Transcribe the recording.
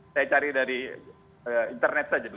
saya cari dari internet saja